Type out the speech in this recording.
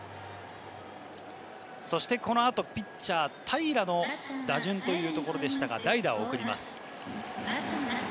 そしてこの後、ピッチャー・平良の打順というところでしたが、代打を送ります。